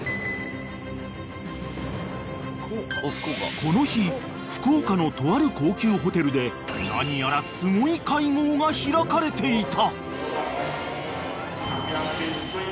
［この日福岡のとある高級ホテルで何やらすごい会合が開かれていた］